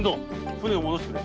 舟を戻してくれ。